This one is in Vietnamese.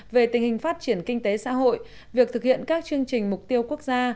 về tình hình phát triển kinh tế xã hội việc thực hiện các chương trình mục tiêu quốc gia